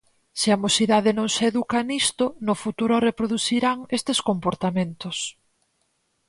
Se a mocidade non se educa nisto, no futuro reproducirán estes comportamentos.